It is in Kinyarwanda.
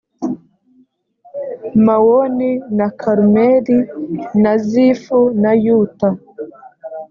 mawoni na karumeli na zifu na yuta